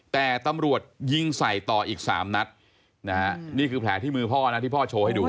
แต่ตำรวจยิงใส่ต่ออีก๓นัดนะฮะนี่คือแผลที่มือพ่อนะที่พ่อโชว์ให้ดู